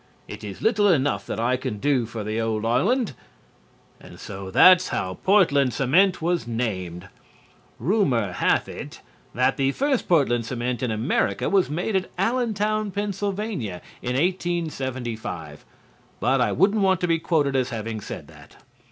It is little enough that I can do for the old island." And so that's how Portland cement was named. Rumor hath it that the first Portland cement in America was made at Allentown, Pa., in 1875, but I wouldn't want to be quoted as having said that.